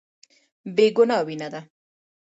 بې ګناه وينه ده.